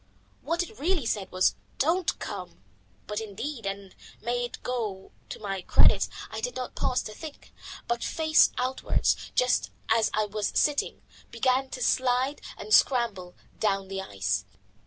What it really said was "Don't come." But indeed and may it go to my credit I did not pause to think, but face outwards, just as I was sitting, began to slide and scramble down the ice.